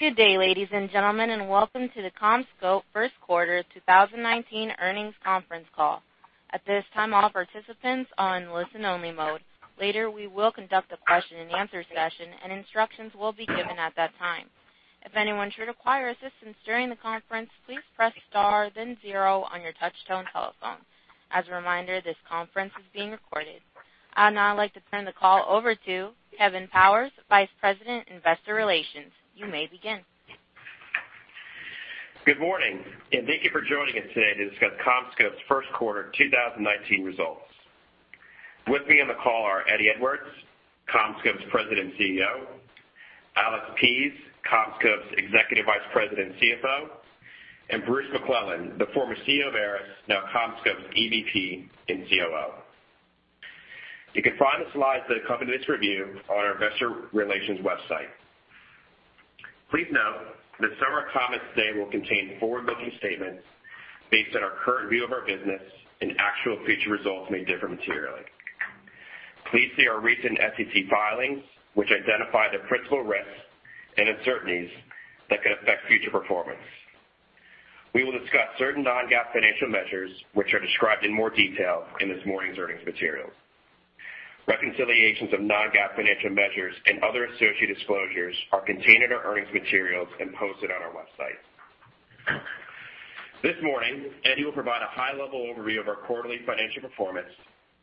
Good day, ladies and gentlemen, and welcome to the CommScope first quarter 2019 earnings conference call. At this time, all participants are in listen only mode. Later, we will conduct a question and answer session, and instructions will be given at that time. If anyone should require assistance during the conference, please press star then zero on your touchtone telephone. As a reminder, this conference is being recorded. I'd now like to turn the call over to Kevin Powers, Vice President, Investor Relations. You may begin. Good morning. Thank you for joining us today to discuss CommScope's first quarter 2019 results. With me on the call are Eddie Edwards, CommScope's President and CEO, Alexander Pease, CommScope's Executive Vice President and CFO, and Bruce McClelland, the former CEO of ARRIS, now CommScope's EVP and COO. You can find the slides that accompany this review on our investor relations website. Please note that some of our comments today will contain forward-looking statements based on our current view of our business and actual future results may differ materially. Please see our recent SEC filings, which identify the principal risks and uncertainties that could affect future performance. We will discuss certain non-GAAP financial measures which are described in more detail in this morning's earnings materials. Reconciliations of non-GAAP financial measures and other associated disclosures are contained in our earnings materials and posted on our website. This morning, Eddie will provide a high level overview of our quarterly financial performance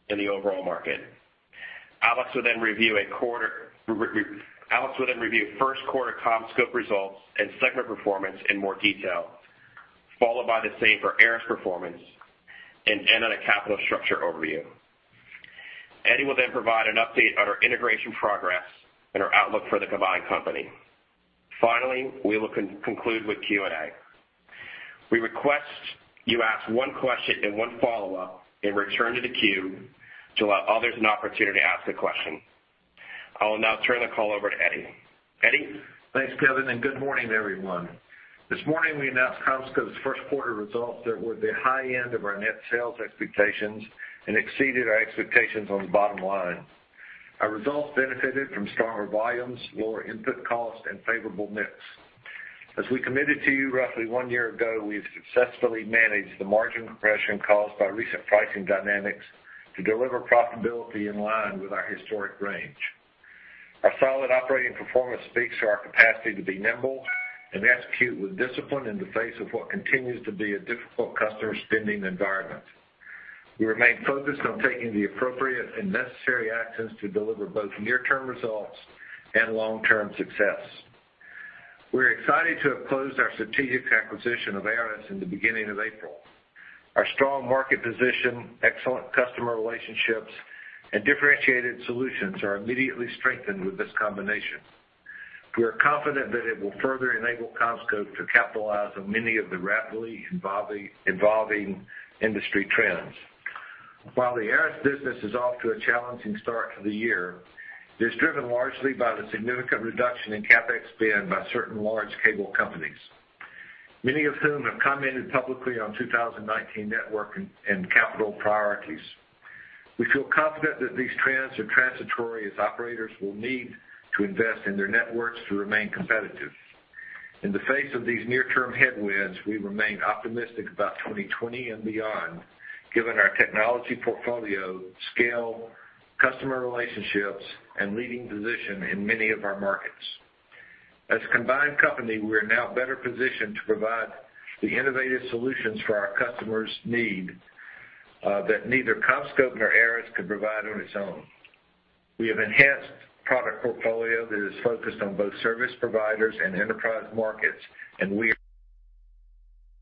in the overall market. Alex will then review first quarter CommScope results and segment performance in more detail, followed by the same for ARRIS performance and end on a capital structure overview. Eddie will then provide an update on our integration progress and our outlook for the combined company. Finally, we will conclude with Q&A. We request you ask one question and one follow-up and return to the queue to allow others an opportunity to ask a question. I will now turn the call over to Eddie. Eddie? Thanks, Kevin. Good morning, everyone. This morning, we announced CommScope's first quarter results that were at the high end of our net sales expectations and exceeded our expectations on the bottom line. Our results benefited from stronger volumes, lower input costs, and favorable mix. As we committed to you roughly one year ago, we have successfully managed the margin compression caused by recent pricing dynamics to deliver profitability in line with our historic range. Our solid operating performance speaks to our capacity to be nimble and execute with discipline in the face of what continues to be a difficult customer spending environment. We remain focused on taking the appropriate and necessary actions to deliver both near-term results and long-term success. We're excited to have closed our strategic acquisition of ARRIS in the beginning of April. Our strong market position, excellent customer relationships, and differentiated solutions are immediately strengthened with this combination. We are confident that it will further enable CommScope to capitalize on many of the rapidly evolving industry trends. While the ARRIS business is off to a challenging start to the year, it is driven largely by the significant reduction in CapEx spend by certain large cable companies, many of whom have commented publicly on 2019 network and capital priorities. We feel confident that these trends are transitory as operators will need to invest in their networks to remain competitive. In the face of these near-term headwinds, we remain optimistic about 2020 and beyond, given our technology portfolio, scale, customer relationships, and leading position in many of our markets. As a combined company, we are now better positioned to provide the innovative solutions for our customers need, that neither CommScope nor ARRIS could provide on its own. We have enhanced product portfolio that is focused on both service providers and enterprise markets. We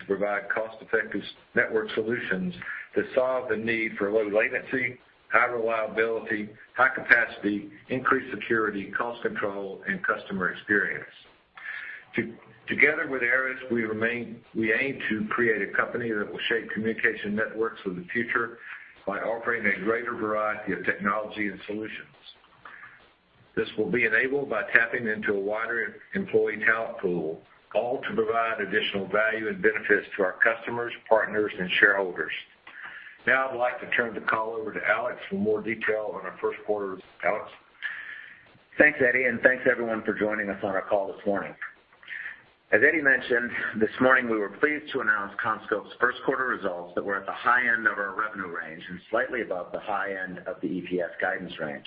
provide cost-effective network solutions that solve the need for low latency, high reliability, high capacity, increased security, cost control, and customer experience. Together with ARRIS, we aim to create a company that will shape communication networks of the future by offering a greater variety of technology and solutions. This will be enabled by tapping into a wider employee talent pool, all to provide additional value and benefits to our customers, partners, and shareholders. Now I would like to turn the call over to Alex for more detail on our first quarter. Alex? Thanks, Eddie. Thanks, everyone, for joining us on our call this morning. As Eddie mentioned, this morning we were pleased to announce CommScope's first quarter results that were at the high end of our revenue range and slightly above the high end of the EPS guidance range.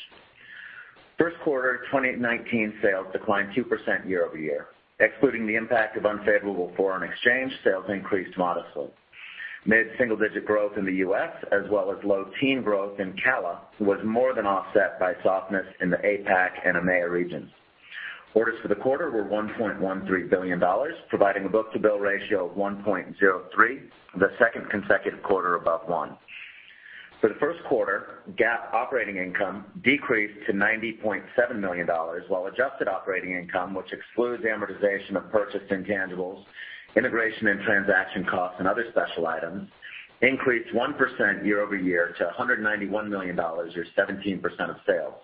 First quarter 2019 sales declined 2% year-over-year. Excluding the impact of unfavorable foreign exchange, sales increased modestly. Mid-single-digit growth in the U.S., as well as low teen growth in CALA, was more than offset by softness in the APAC and EMEA regions. Orders for the quarter were $1.13 billion, providing a book-to-bill ratio of 1.03, the second consecutive quarter above one. For the first quarter, GAAP operating income decreased to $90.7 million, while adjusted operating income, which excludes amortization of purchased intangibles, integration and transaction costs and other special items, increased 1% year-over-year to $191 million or 17% of sales.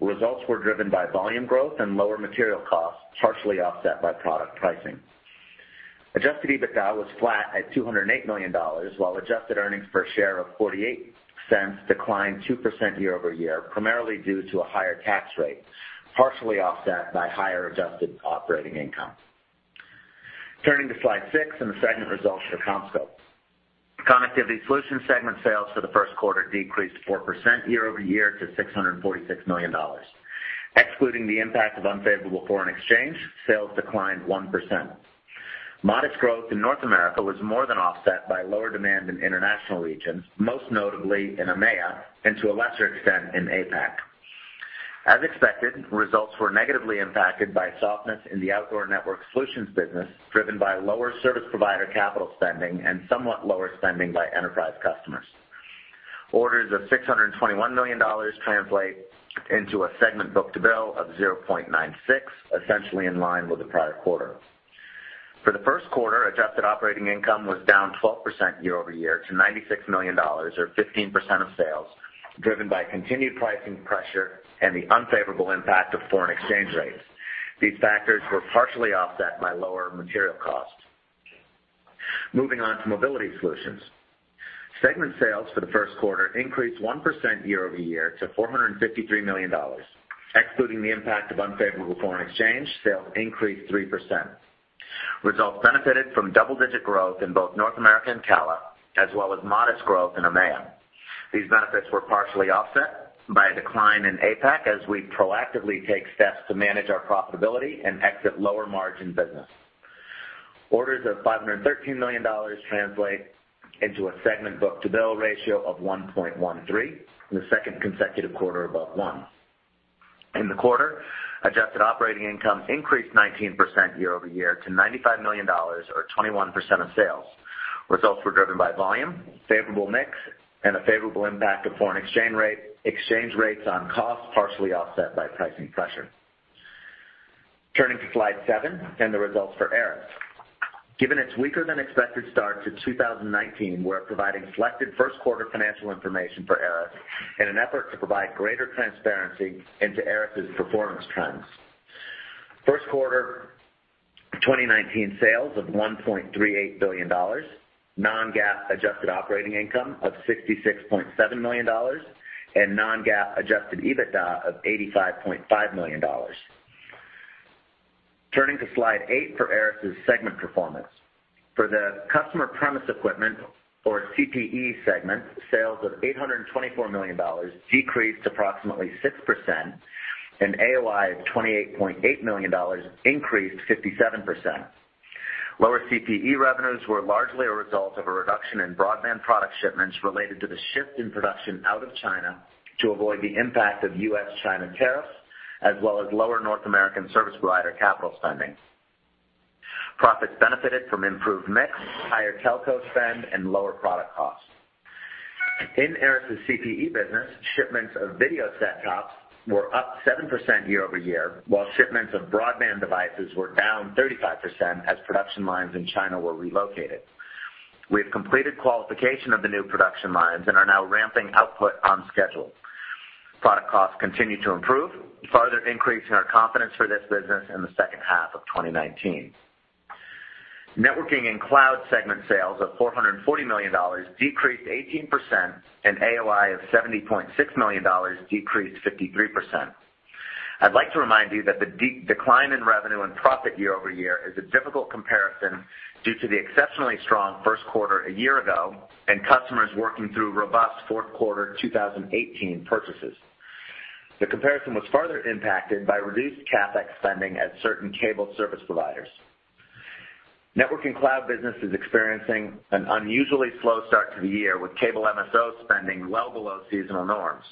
Results were driven by volume growth and lower material costs, partially offset by product pricing. Adjusted EBITDA was flat at $208 million while adjusted earnings per share of $0.48 declined 2% year-over-year, primarily due to a higher tax rate, partially offset by higher adjusted operating income. Turning to slide seven and the segment results for CommScope. Connectivity Solutions segment sales for the first quarter decreased 4% year-over-year to $646 million. Excluding the impact of unfavorable foreign exchange, sales declined 1%. Modest growth in North America was more than offset by lower demand in international regions, most notably in EMEA and to a lesser extent in APAC. As expected, results were negatively impacted by softness in the outdoor network solutions business, driven by lower service provider capital spending and somewhat lower spending by enterprise customers. Orders of $621 million translate into a segment book-to-bill of 0.96, essentially in line with the prior quarter. For the first quarter, adjusted operating income was down 12% year-over-year to $96 million, or 15% of sales, driven by continued pricing pressure and the unfavorable impact of foreign exchange rates. These factors were partially offset by lower material costs. Moving on to Mobility Solutions. Segment sales for the first quarter increased 1% year-over-year to $453 million. Excluding the impact of unfavorable foreign exchange, sales increased 3%. Results benefited from double-digit growth in both North America and CALA, as well as modest growth in EMEA. These benefits were partially offset by a decline in APAC as we proactively take steps to manage our profitability and exit lower margin business. Orders of $513 million translate into a segment book-to-bill ratio of 1.13, the second consecutive quarter above one. In the quarter, adjusted operating income increased 19% year-over-year to $95 million or 21% of sales. Results were driven by volume, favorable mix, and a favorable impact of foreign exchange rates on costs, partially offset by pricing pressure. Turning to slide seven and the results for ARRIS. Given its weaker than expected start to 2019, we are providing selected first quarter financial information for ARRIS in an effort to provide greater transparency into ARRIS's performance trends. First quarter 2019 sales of $1.38 billion, non-GAAP adjusted operating income of $66.7 million, and non-GAAP adjusted EBITDA of $85.5 million. Turning to slide eight for ARRIS's segment performance. For the customer premise equipment or CPE segment, sales of $824 million decreased approximately 6% and AOI of $28.8 million increased 57%. Lower CPE revenues were largely a result of a reduction in broadband product shipments related to the shift in production out of China to avoid the impact of U.S.-China tariffs, as well as lower North American service provider capital spending. Profits benefited from improved mix, higher telco spend, and lower product costs. In ARRIS's CPE business, shipments of video set-tops were up 7% year-over-year, while shipments of broadband devices were down 35% as production lines in China were relocated. We have completed qualification of the new production lines and are now ramping output on schedule. Product costs continue to improve, further increasing our confidence for this business in the second half of 2019. Networking and Cloud segment sales of $440 million decreased 18%, and AOI of $70.6 million decreased 53%. I would like to remind you that the decline in revenue and profit year-over-year is a difficult comparison due to the exceptionally strong first quarter a year ago and customers working through robust fourth quarter 2018 purchases. The comparison was further impacted by reduced CapEx spending at certain cable service providers. Networking and Cloud business is experiencing an unusually slow start to the year, with cable MSO spending well below seasonal norms.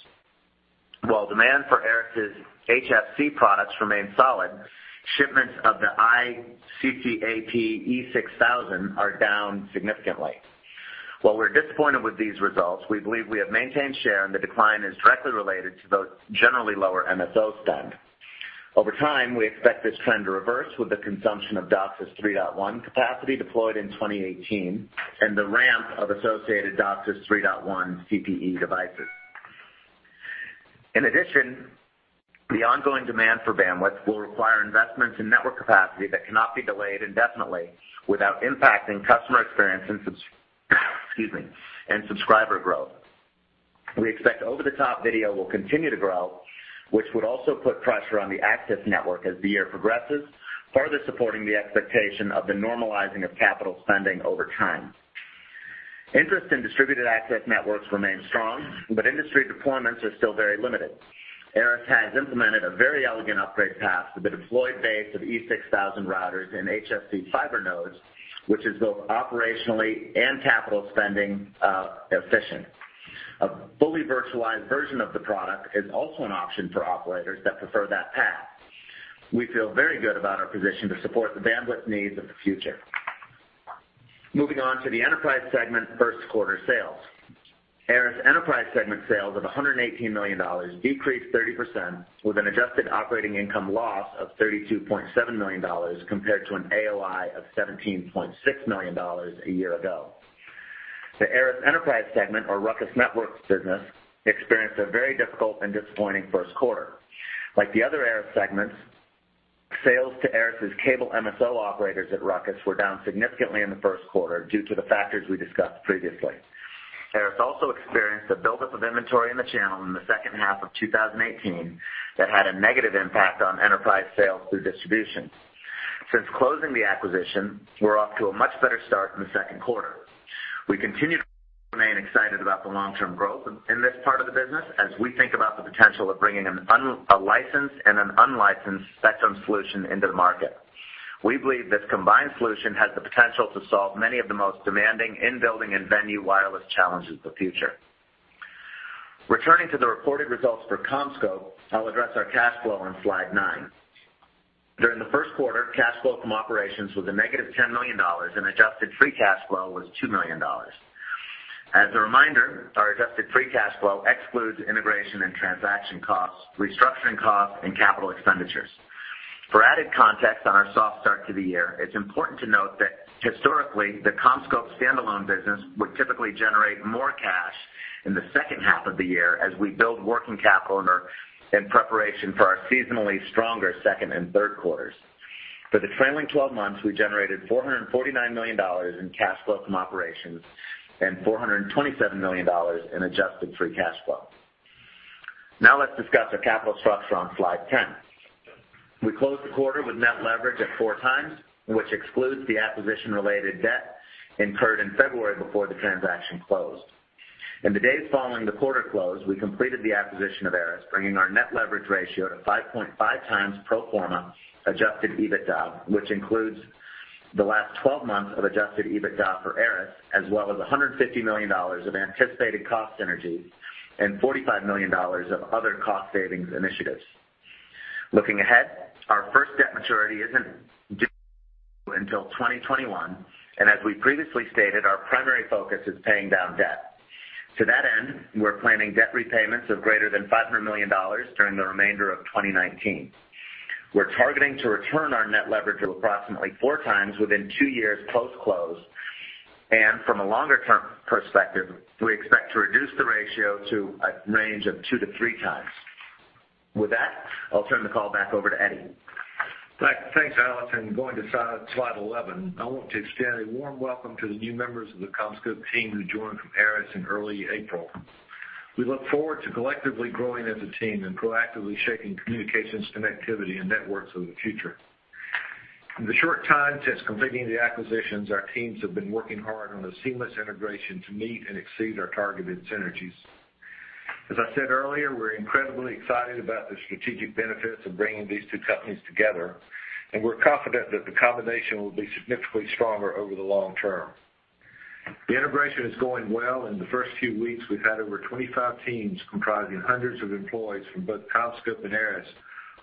While demand for ARRIS's HFC products remains solid, shipments of the CCAP E6000 are down significantly. While we're disappointed with these results, we believe we have maintained share, and the decline is directly related to the generally lower MSO spend. Over time, we expect this trend to reverse with the consumption of DOCSIS 3.1 capacity deployed in 2018 and the ramp of associated DOCSIS 3.1 CPE devices. In addition, the ongoing demand for bandwidth will require investments in network capacity that cannot be delayed indefinitely without impacting customer experience and excuse me, and subscriber growth. We expect over-the-top video will continue to grow, which would also put pressure on the access network as the year progresses, further supporting the expectation of the normalizing of capital spending over time. Interest in distributed access networks remains strong, but industry deployments are still very limited. ARRIS has implemented a very elegant upgrade path to the deployed base of E6000 routers and HFC fiber nodes, which is both operationally and capital spending efficient. A fully virtualized version of the product is also an option for operators that prefer that path. We feel very good about our position to support the bandwidth needs of the future. Moving on to the Enterprise segment first quarter sales. ARRIS Enterprise segment sales of $118 million decreased 30% with an adjusted operating income loss of $32.7 million compared to an AOI of $17.6 million a year ago. The ARRIS Enterprise segment, or Ruckus Networks business, experienced a very difficult and disappointing first quarter. Like the other ARRIS segments, sales to ARRIS's cable MSO operators at Ruckus were down significantly in the first quarter due to the factors we discussed previously. ARRIS also experienced a buildup of inventory in the channel in the second half of 2018 that had a negative impact on enterprise sales through distribution. Since closing the acquisition, we're off to a much better start in the second quarter. We continue to remain excited about the long-term growth in this part of the business, as we think about the potential of bringing a licensed and an unlicensed spectrum solution into the market. We believe this combined solution has the potential to solve many of the most demanding in-building and venue wireless challenges of the future. Returning to the reported results for CommScope, I'll address our cash flow on slide nine. During the first quarter, cash flow from operations was a negative $10 million and adjusted free cash flow was $2 million. As a reminder, our adjusted free cash flow excludes integration and transaction costs, restructuring costs, and capital expenditures. For added context on our soft start to the year, it's important to note that historically, the CommScope standalone business would typically generate more cash in the second half of the year as we build working capital in preparation for our seasonally stronger second and third quarters. For the trailing 12 months, we generated $449 million in cash flow from operations and $427 million in adjusted free cash flow. Now let's discuss our capital structure on slide 10. We closed the quarter with net leverage at four times, which excludes the acquisition-related debt incurred in February before the transaction closed. In the days following the quarter close, we completed the acquisition of ARRIS, bringing our net leverage ratio to 5.5 times pro forma adjusted EBITDA, which includes the last 12 months of adjusted EBITDA for ARRIS, as well as $150 million of anticipated cost synergies and $45 million of other cost savings initiatives. Looking ahead, our first debt maturity isn't due until 2021. As we previously stated, our primary focus is paying down debt. To that end, we're planning debt repayments of greater than $500 million during the remainder of 2019. We're targeting to return our net leverage to approximately 4 times within two years post-close. From a longer-term perspective, we expect to reduce the ratio to a range of 2 to 3 times. With that, I'll turn the call back over to Eddie. Thanks, Alex. Going to slide 11. I want to extend a warm welcome to the new members of the CommScope team who joined from ARRIS in early April. We look forward to collectively growing as a team and proactively shaping communications, connectivity, and networks of the future. In the short time since completing the acquisitions, our teams have been working hard on the seamless integration to meet and exceed our targeted synergies. As I said earlier, we're incredibly excited about the strategic benefits of bringing these two companies together. We're confident that the combination will be significantly stronger over the long term. The integration is going well. In the first few weeks, we've had over 25 teams comprising hundreds of employees from both CommScope and ARRIS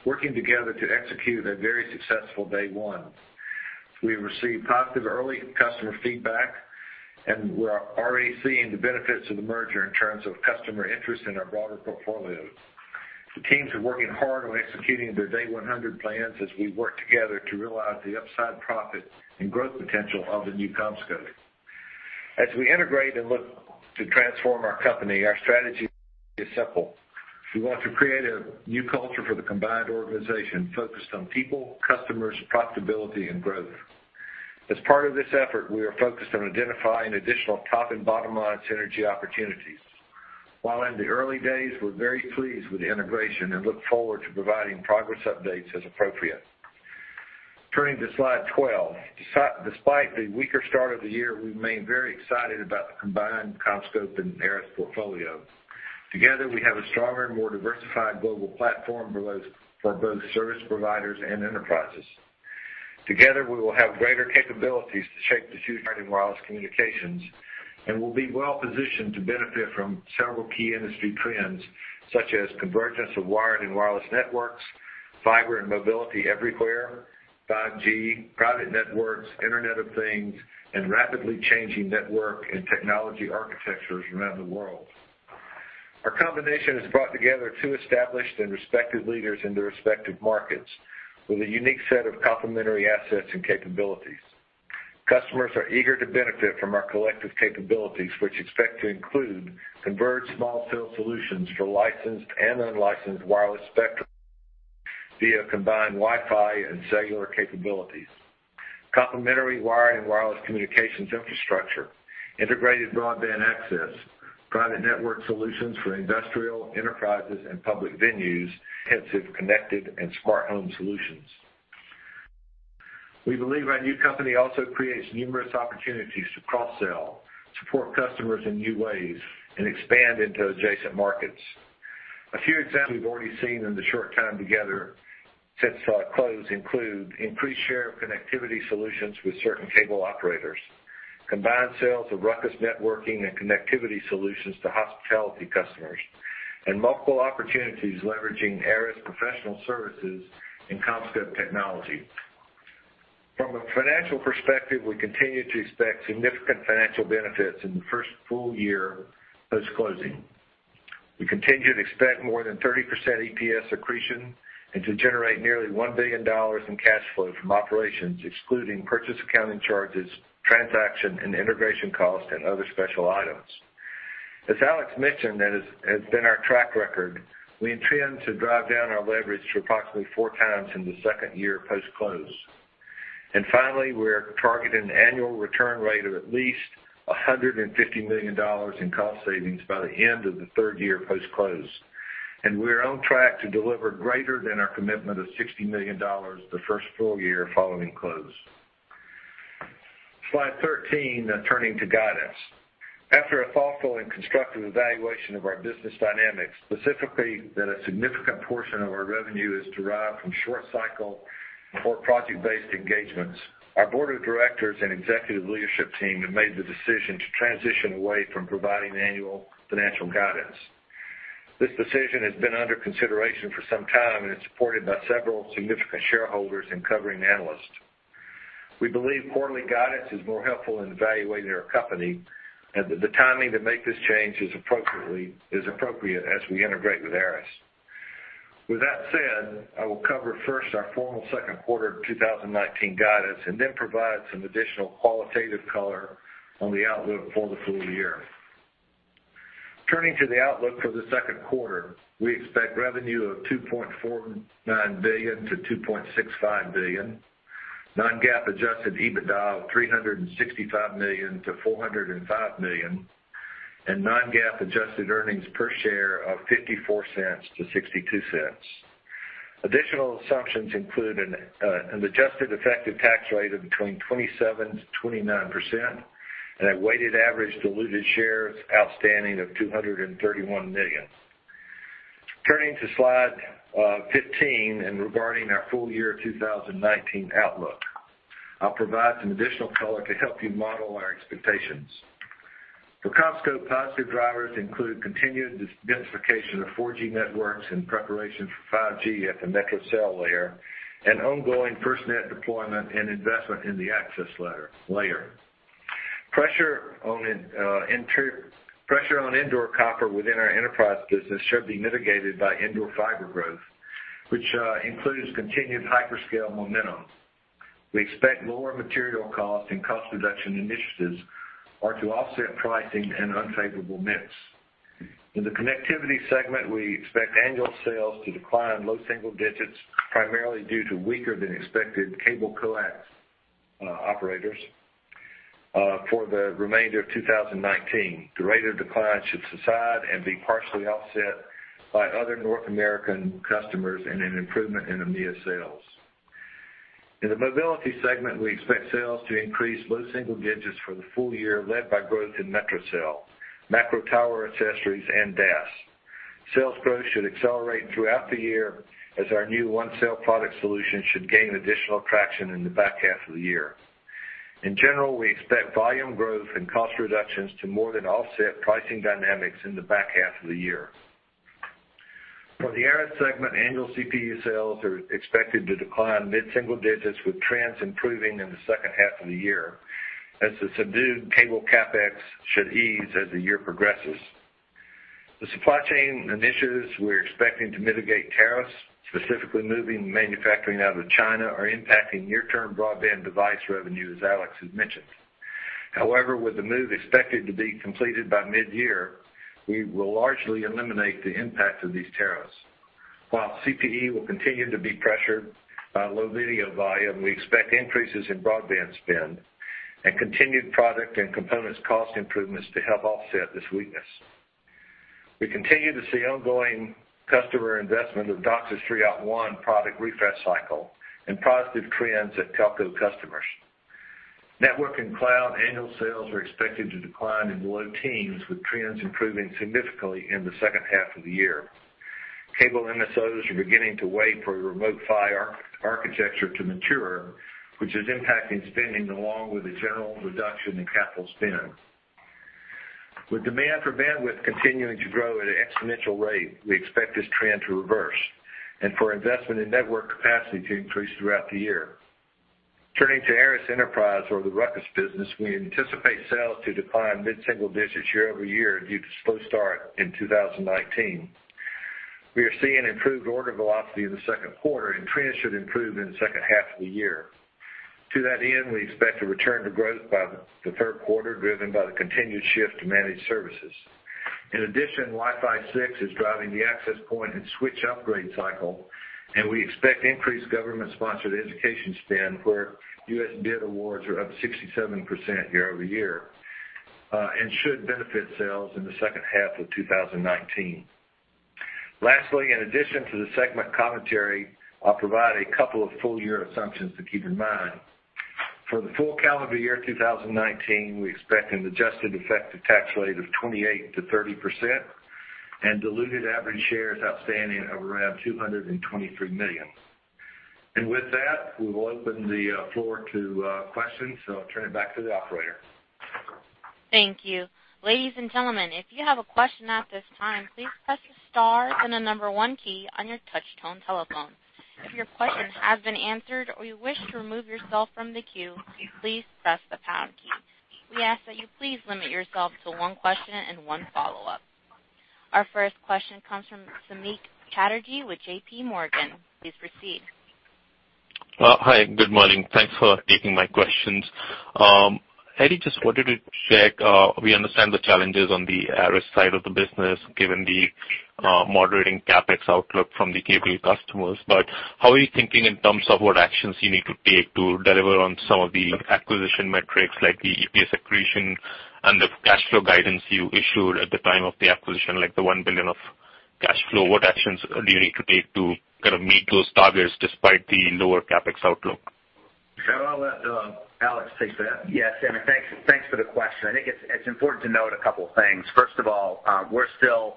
working together to execute a very successful day one. We have received positive early customer feedback. We're already seeing the benefits of the merger in terms of customer interest in our broader portfolios. The teams are working hard on executing their day 100 plans as we work together to realize the upside profit and growth potential of the new CommScope. As we integrate and look to transform our company, our strategy is simple. We want to create a new culture for the combined organization focused on people, customers, profitability, and growth. As part of this effort, we are focused on identifying additional top and bottom line synergy opportunities. While in the early days, we're very pleased with the integration and look forward to providing progress updates as appropriate. Turning to slide 12. Despite the weaker start of the year, we remain very excited about the combined CommScope and ARRIS portfolio. Together, we have a stronger and more diversified global platform for both service providers and enterprises. Together, we will have greater capabilities to shape the future of wireless communications. We will be well positioned to benefit from several key industry trends, such as convergence of wired and wireless networks, fiber and mobility everywhere, 5G, private networks, Internet of Things, and rapidly changing network and technology architectures around the world. Our combination has brought together two established and respected leaders in their respective markets with a unique set of complementary assets and capabilities. Customers are eager to benefit from our collective capabilities, which expect to include converged small cell solutions for licensed and unlicensed wireless spectrum via combined Wi-Fi and cellular capabilities, complementary wired and wireless communications infrastructure, integrated broadband access, private network solutions for industrial enterprises and public venues, extensive connected and smart home solutions. We believe our new company also creates numerous opportunities to cross-sell, support customers in new ways, and expand into adjacent markets. A few examples we've already seen in the short time together since close include increased share of Connectivity Solutions with certain cable operators, combined sales of Ruckus Networks and Connectivity Solutions to hospitality customers, and multiple opportunities leveraging ARRIS professional services and CommScope technology. From a financial perspective, we continue to expect significant financial benefits in the first full year post-closing. We continue to expect more than 30% EPS accretion and to generate nearly $1 billion in cash flow from operations, excluding purchase accounting charges, transaction and integration costs, and other special items. As Alex mentioned, that has been our track record. We intend to drive down our leverage to approximately four times in the second year post-close. Finally, we are targeting an annual return rate of at least $150 million in cost savings by the end of the third year post-close. We are on track to deliver greater than our commitment of $60 million the first full year following close. Slide 13, turning to guidance. After a thoughtful and constructive evaluation of our business dynamics, specifically that a significant portion of our revenue is derived from short cycle or project-based engagements, our board of directors and executive leadership team have made the decision to transition away from providing annual financial guidance. This decision has been under consideration for some time and is supported by several significant shareholders and covering analysts. We believe quarterly guidance is more helpful in evaluating our company, and that the timing to make this change is appropriate as we integrate with ARRIS. With that said, I will cover first our formal second quarter 2019 guidance and then provide some additional qualitative color on the outlook for the full year. Turning to the outlook for the second quarter, we expect revenue of $2.49 billion-$2.65 billion, non-GAAP adjusted EBITDA of $365 million-$405 million, and non-GAAP adjusted earnings per share of $0.54-$0.62. Additional assumptions include an adjusted effective tax rate of between 27%-29% and a weighted average diluted shares outstanding of 231 million. Turning to Slide 15 and regarding our full year 2019 outlook, I'll provide some additional color to help you model our expectations. For CommScope, positive drivers include continued densification of 4G networks and preparation for 5G at the metro cell layer, and ongoing FirstNet deployment and investment in the access layer. Pressure on indoor copper within our enterprise business should be mitigated by indoor fiber growth, which includes continued hyperscale momentum. We expect lower material costs and cost reduction initiatives are to offset pricing and unfavorable mix. In the Connectivity Solutions segment, we expect annual sales to decline low single digits primarily due to weaker than expected cable operators for the remainder of 2019. The rate of decline should subside and be partially offset by other North American customers and an improvement in EMEA sales. In the Mobility Solutions segment, we expect sales to increase low single digits for the full year, led by growth in metro cell, macro tower accessories, and DAS. Sales growth should accelerate throughout the year as our new OneCell product solution should gain additional traction in the back half of the year. In general, we expect volume growth and cost reductions to more than offset pricing dynamics in the back half of the year. For the ARRIS segment, annual CPE sales are expected to decline mid-single digits with trends improving in the second half of the year as the subdued cable CapEx should ease as the year progresses. The supply chain initiatives we're expecting to mitigate tariffs, specifically moving manufacturing out of China, are impacting near-term broadband device revenue, as Alex has mentioned. However, with the move expected to be completed by mid-year, we will largely eliminate the impact of these tariffs. While CPE will continue to be pressured by low video volume, we expect increases in broadband spend and continued product and components cost improvements to help offset this weakness. We continue to see ongoing customer investment of DOCSIS 3.1 product refresh cycle and positive trends at telco customers. Networking and Cloud annual sales are expected to decline in the low teens, with trends improving significantly in the second half of the year. Cable MSOs are beginning to wait for remote fiber architecture to mature, which is impacting spending along with a general reduction in capital spend. With demand for bandwidth continuing to grow at an exponential rate, we expect this trend to reverse and for investment in network capacity to increase throughout the year. Turning to ARRIS Enterprise or the Ruckus business, we anticipate sales to decline mid-single digits year-over-year due to slow start in 2019. We are seeing improved order velocity in the second quarter and trends should improve in the second half of the year. To that end, we expect to return to growth by the third quarter, driven by the continued shift to managed services. In addition, Wi-Fi 6 is driving the access point and switch upgrade cycle, and we expect increased government-sponsored education spend where U.S. bid awards are up 67% year-over-year and should benefit sales in the second half of 2019. Lastly, in addition to the segment commentary, I'll provide a couple of full year assumptions to keep in mind. For the full calendar year 2019, we expect an adjusted effective tax rate of 28%-30% and diluted average shares outstanding of around 223 million. With that, we will open the floor to questions, I'll turn it back to the operator. Thank you. Ladies and gentlemen, if you have a question at this time, please press the star and the number one key on your touch-tone telephone. If your question has been answered or you wish to remove yourself from the queue, please press the pound key. We ask that you please limit yourself to one question and one follow-up. Our first question comes from Samik Chatterjee with JPMorgan. Please proceed. Hi, good morning. Thanks for taking my questions. Eddie, just wanted to check, we understand the challenges on the ARRIS side of the business, given the moderating CapEx outlook from the cable customers. How are you thinking in terms of what actions you need to take to deliver on some of the acquisition metrics like the EPS accretion and the cash flow guidance you issued at the time of the acquisition, like the $1 billion of cash flow? What actions do you need to take to kind of meet those targets despite the lower CapEx outlook? I'll let Alex take that. Samik, thanks for the question. I think it's important to note a couple things. First of all, we're still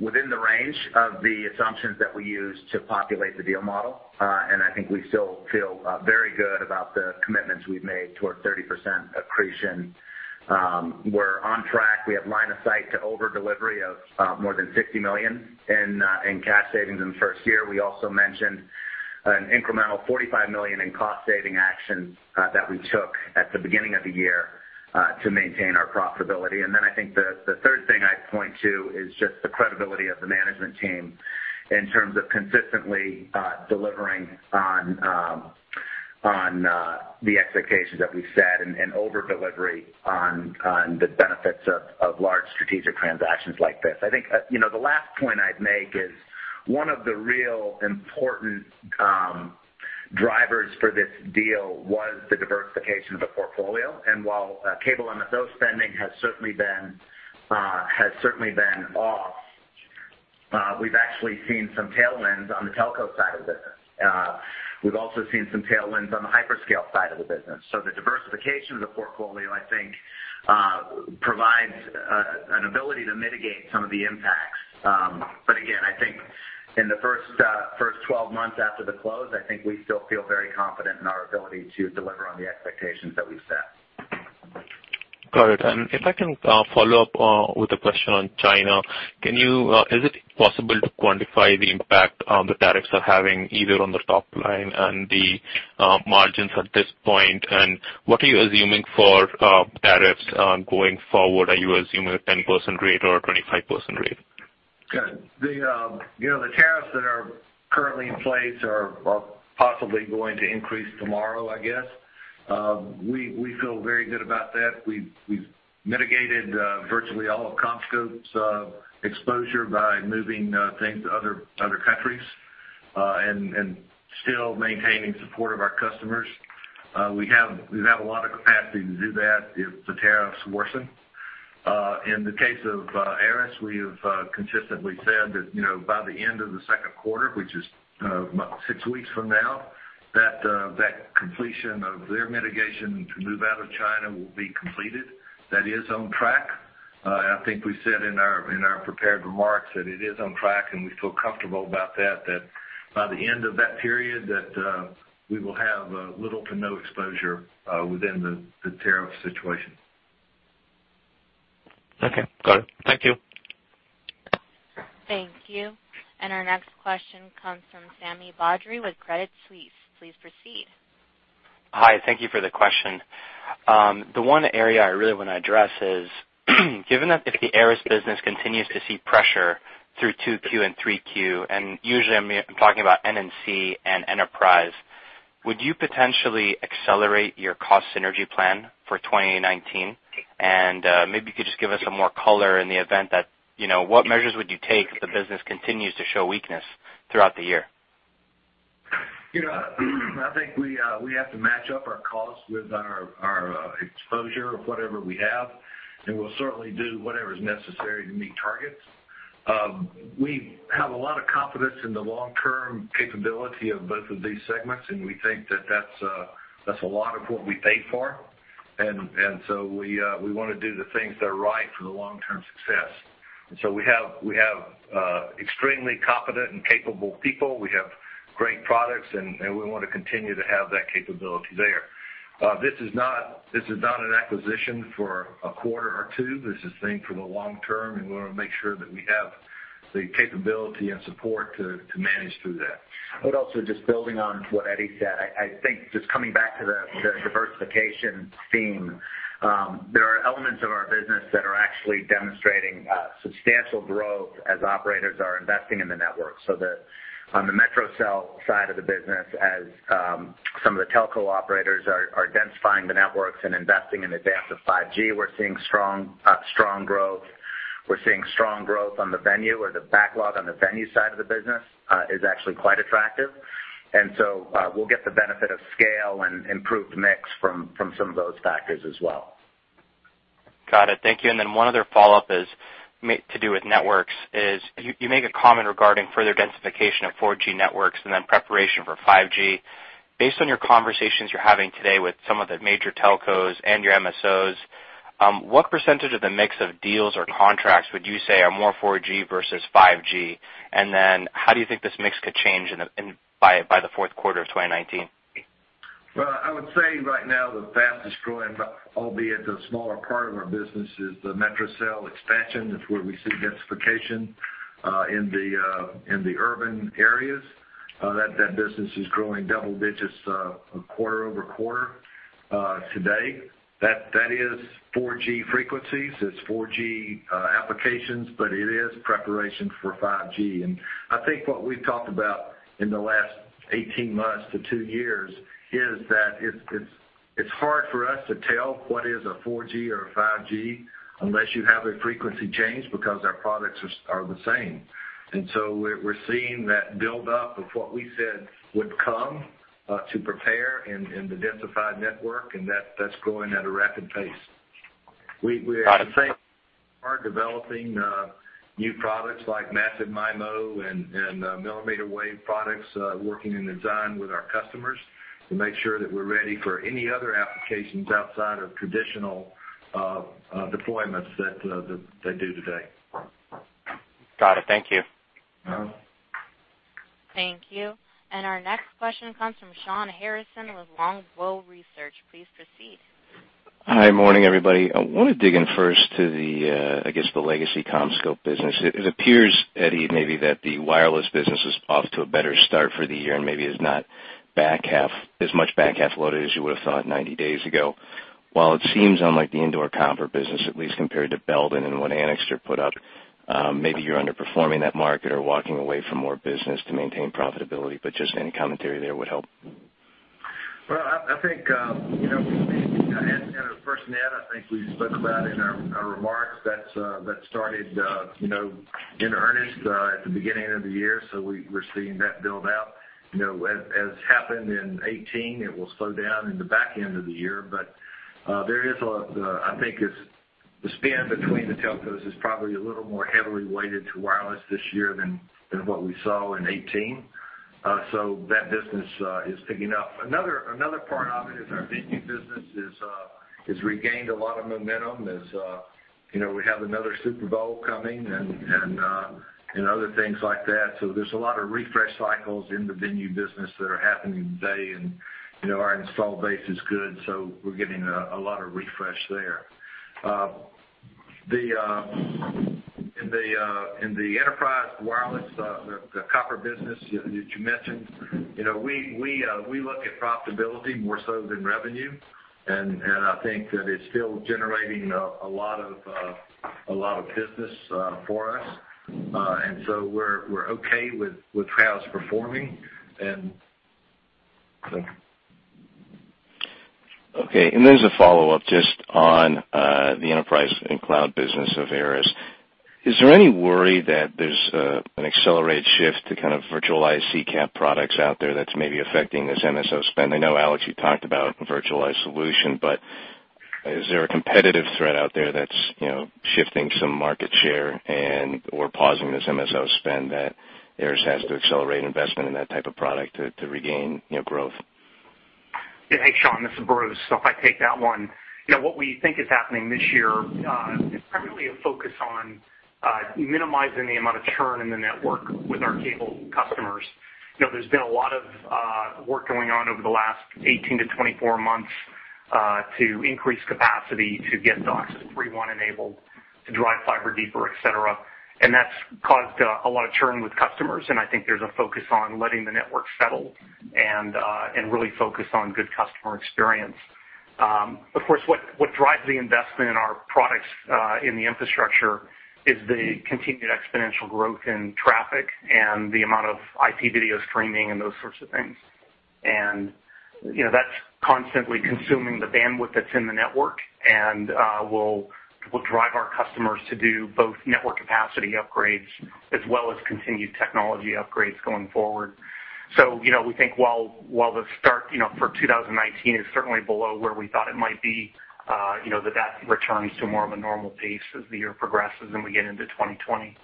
within the range of the assumptions that we used to populate the deal model. I think we still feel very good about the commitments we've made toward 30% accretion. We're on track. We have line of sight to over delivery of more than $60 million in cash savings in the first year. We also mentioned an incremental $45 million in cost-saving actions that we took at the beginning of the year to maintain our profitability. I think the third thing I'd point to is just the credibility of the management team in terms of consistently delivering on the expectations that we've set and over delivery on the benefits of large strategic transactions like this. I think the last point I'd make is one of the real important drivers for this deal was the diversification of the portfolio. While cable MSO spending has certainly been off, we've actually seen some tailwinds on the telco side of the business. We've also seen some tailwinds on the hyperscale side of the business. The diversification of the portfolio, I think, provides an ability to mitigate some of the impacts. Again, I think in the first 12 months after the close, I think we still feel very confident in our ability to deliver on the expectations that we've set. Got it. If I can follow up with a question on China. Is it possible to quantify the impact the tariffs are having either on the top line and the margins at this point? What are you assuming for tariffs going forward? Are you assuming a 10% rate or a 25% rate? Good. The tariffs that are currently in place are possibly going to increase tomorrow, I guess. We feel very good about that. We've mitigated virtually all of CommScope's exposure by moving things to other countries, still maintaining support of our customers. We have a lot of capacity to do that if the tariffs worsen. In the case of ARRIS, we have consistently said that by the end of the second quarter, which is six weeks from now, that completion of their mitigation to move out of China will be completed. That is on track. I think we said in our prepared remarks that it is on track, we feel comfortable about that by the end of that period, that we will have little to no exposure within the tariff situation. Okay, got it. Thank you. Thank you. Our next question comes from Sami Badri with Credit Suisse. Please proceed. Hi, thank you for the question. Usually, I'm talking about N&C and enterprise, would you potentially accelerate your cost synergy plan for 2019? Maybe you could just give us some more color in the event that, what measures would you take if the ARRIS business continues to show weakness throughout the year? I think we have to match up our costs with our exposure of whatever we have, We'll certainly do whatever's necessary to meet targets. We have a lot of confidence in the long-term capability of both of these segments. We think that that's a lot of what we pay for. We want to do the things that are right for the long-term success. We have extremely competent and capable people. We have great products. We want to continue to have that capability there. This is not an acquisition for a quarter or two. This is thing for the long term, We want to make sure we have the capability and support to manage through that. I would also just building on to what Eddie said, I think just coming back to the diversification theme, there are elements of our business that are actually demonstrating substantial growth as operators are investing in the network. On the metro cell side of the business, as some of the telco operators are densifying the networks and investing in advance of 5G, we're seeing strong growth. We're seeing strong growth on the venue or the backlog on the venue side of the business, is actually quite attractive. We'll get the benefit of scale and improved mix from some of those factors as well. Got it. Thank you. One other follow-up is to do with networks is, you make a comment regarding further densification of 4G networks and then preparation for 5G. Based on your conversations you're having today with some of the major telcos and your MSOs, what percentage of the mix of deals or contracts would you say are more 4G versus 5G? How do you think this mix could change by the fourth quarter of 2019? Well, I would say right now the fastest growing, albeit the smaller part of our business, is the metro cell expansion. That's where we see densification, in the urban areas. That business is growing double digits quarter-over-quarter today. That is 4G frequencies. It's 4G applications, but it is preparation for 5G. I think what we've talked about in the last 18 months to two years is that it's hard for us to tell what is a 4G or a 5G unless you have a frequency change, because our products are the same. So we're seeing that build-up of what we said would come to prepare and to densify network, and that's growing at a rapid pace. Got it. We are developing new products like massive MIMO and millimeter wave products, working in design with our customers to make sure that we're ready for any other applications outside of traditional deployments that they do today. Got it. Thank you. Thank you. Our next question comes from Shawn Harrison with Longbow Research. Please proceed. Hi. Morning, everybody. I want to dig in first to the, I guess, the legacy CommScope business. It appears, Eddie, maybe that the wireless business is off to a better start for the year and maybe is not as much back-half loaded as you would've thought 90 days ago. While it seems unlike the indoor copper business, at least compared to Belden and what Anixter put up, maybe you're underperforming that market or walking away from more business to maintain profitability. Just any commentary there would help. Well, I think, adding on to the FirstNet, I think we spoke about in our remarks, that started in earnest at the beginning of the year. We're seeing that build-out. As happened in 2018, it will slow down in the back end of the year. There is, I think, the spin between the telcos is probably a little more heavily weighted to wireless this year than what we saw in 2018. That business is picking up. Another part of it is our venue business has regained a lot of momentum as we have another Super Bowl coming and other things like that. There's a lot of refresh cycles in the venue business that are happening today, and our install base is good, so we're getting a lot of refresh there. In the enterprise wireless, the copper business that you mentioned, we look at profitability more so than revenue, and I think that it's still generating a lot of business for us. We're okay with how it's performing. As a follow-up just on the Networking and Cloud business of ARRIS. Is there any worry that there's an accelerated shift to kind of virtualized CCAP products out there that's maybe affecting this MSO spend? I know, Alex, you talked about virtualized solution, but is there a competitive threat out there that's shifting some market share and/or pausing this MSO spend that ARRIS has to accelerate investment in that type of product to regain growth? Hey, Shawn, this is Bruce. If I take that one. What we think is happening this year is primarily a focus on minimizing the amount of churn in the network with our cable customers. There's been a lot of work going on over the last 18 to 24 months to increase capacity to get DOCSIS 3.1 enabled, to drive fiber deeper, et cetera, and that's caused a lot of churn with customers, and I think there's a focus on letting the network settle and really focus on good customer experience. Of course, what drives the investment in our products in the infrastructure is the continued exponential growth in traffic and the amount of IP video streaming and those sorts of things. That's constantly consuming the bandwidth that's in the network and will drive our customers to do both network capacity upgrades as well as continued technology upgrades going forward. We think while the start for 2019 is certainly below where we thought it might be, that returns to more of a normal pace as the year progresses and we get into 2020.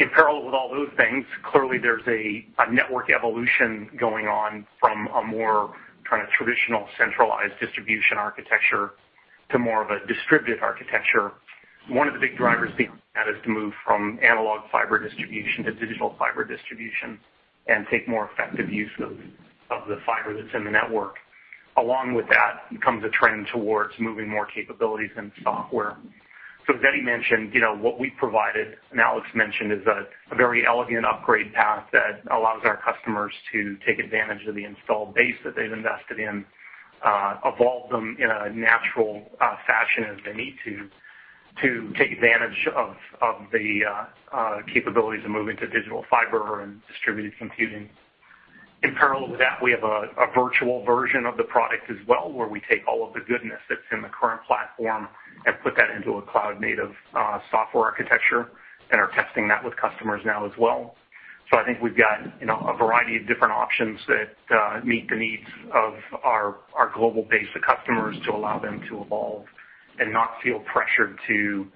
In parallel with all those things, clearly there's a network evolution going on from a more kind of traditional centralized distribution architecture to more of a distributed architecture. One of the big drivers behind that is to move from analog fiber distribution to digital fiber distribution and take more effective use of the fiber that's in the network. Along with that comes a trend towards moving more capabilities in software. As Eddie mentioned, what we provided, and Alex mentioned, is a very elegant upgrade path that allows our customers to take advantage of the installed base that they've invested in, evolve them in a natural fashion as they need to take advantage of the capabilities of moving to digital fiber and distributed computing. In parallel with that, we have a virtual version of the product as well, where we take all of the goodness that's in the current platform and put that into a cloud-native software architecture and are testing that with customers now as well. I think we've got a variety of different options that meet the needs of our global base of customers to allow them to evolve and not feel pressured to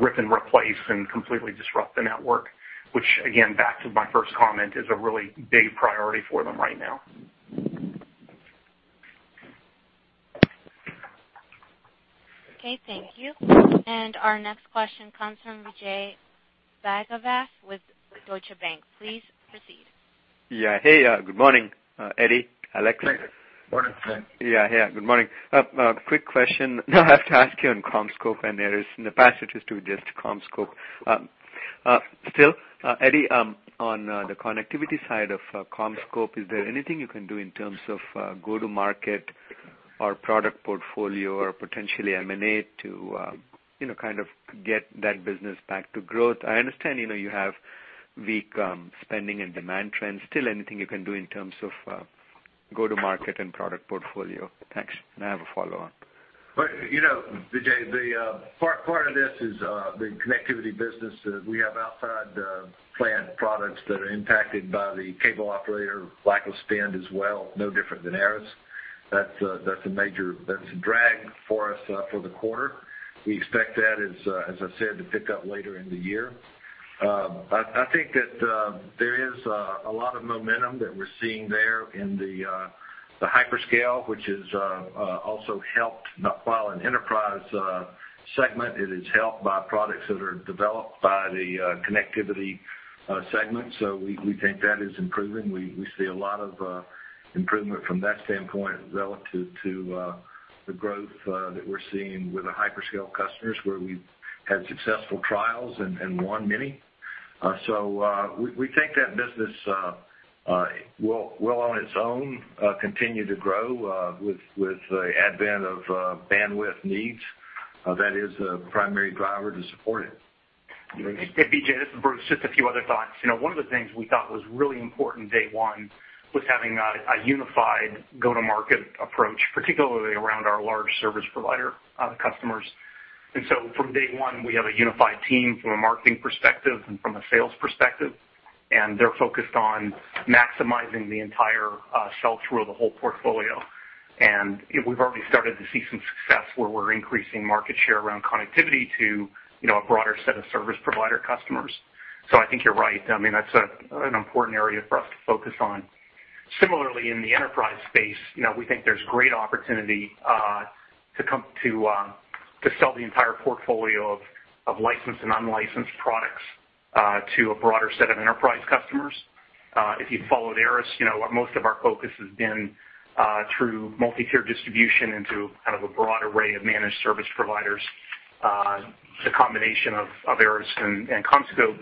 rip and replace and completely disrupt the network, which, again, back to my first comment, is a really big priority for them right now. Okay, thank you. Our next question comes from Vijay Bhagavat with Deutsche Bank. Please proceed. Hey, good morning, Eddie, Alex. Morning, Vijay. Yeah. Hey, good morning. A quick question I have to ask you on CommScope and ARRIS. In the past, it was to just CommScope. Still, Eddie, on the connectivity side of CommScope, is there anything you can do in terms of go-to-market or product portfolio or potentially M&A to get that business back to growth? I understand you have weak spending and demand trends. Still, anything you can do in terms of go-to-market and product portfolio? Thanks. I have a follow-on. Vijay, part of this is the connectivity business that we have outside the plant products that are impacted by the cable operator lack of spend as well, no different than ARRIS. That's a drag for us for the quarter. We expect that, as I said, to pick up later in the year. I think that there is a lot of momentum that we're seeing there in the hyperscale, which has also helped not file an enterprise segment. It is helped by products that are developed by the connectivity segment. We think that is improving. We see a lot of improvement from that standpoint relative to the growth that we're seeing with the hyperscale customers where we've had successful trials and won many. We think that business will on its own continue to grow with the advent of bandwidth needs. That is a primary driver to support it. Hey, Vijay, this is Bruce. Just a few other thoughts. One of the things we thought was really important day one was having a unified go-to-market approach, particularly around our large service provider customers. From day one, we have a unified team from a marketing perspective and from a sales perspective, and they're focused on maximizing the entire sell-through of the whole portfolio. We've already started to see some success where we're increasing market share around connectivity to a broader set of service provider customers. I think you're right. That's an important area for us to focus on. Similarly, in the enterprise space, we think there's great opportunity to sell the entire portfolio of licensed and unlicensed products to a broader set of enterprise customers. If you followed ARRIS, most of our focus has been through multi-tier distribution into kind of a broad array of managed service providers. The combination of ARRIS and CommScope